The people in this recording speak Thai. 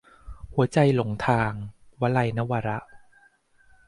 หัวใจหลงทาง - วลัย นวาระ